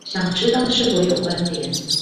想知道是否有關連